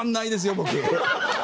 僕。